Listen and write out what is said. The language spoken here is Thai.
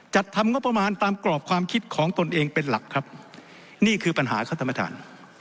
จัดทำงบประมาณตามกรอบความคิดของตนเองเป็นหลักครับนี่คือปัญหาครับท่านประธาน